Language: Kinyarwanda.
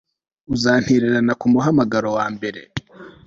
Uzantererana kumuhamagaro wambere